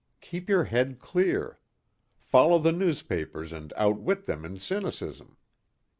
Keep your head clear. Follow the newspapers and outwit them in cynicism."